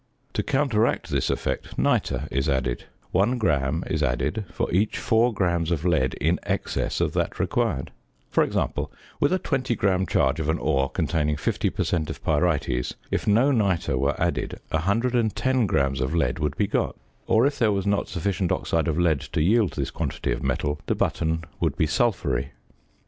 To counteract this effect nitre is added; 1 gram is added for each 4 grams of lead in excess of that required. For example: with a 20 gram charge of an ore containing 50 per cent. of pyrites, if no nitre were added, 110 grams of lead would be got; or, if there was not sufficient oxide of lead to yield this quantity of metal, the button would be sulphury.